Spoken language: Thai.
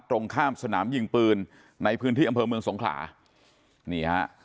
ตรงข้ามสนามยิงปืนในพื้นที่อำเภอเมืองสงขลานี่ฮะ